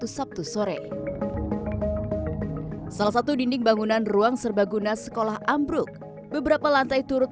sabtu sore salah satu dinding bangunan ruang serbaguna sekolah ambruk beberapa lantai turut